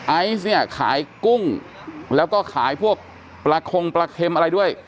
ไอซ์เนี่ยขายกุ้งแล้วก็ขายพวกปลาคงปลาเค็มอะไรด้วย